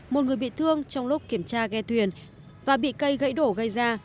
một người bị thương trong lúc kiểm tra ghe thuyền và bị cây gãy đổ gây ra